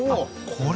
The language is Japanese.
これ？